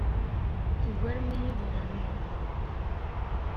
Tugarem-iyi deg leɛmeṛ.